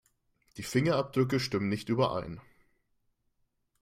Die Fingerabdrücke stimmen nicht überein.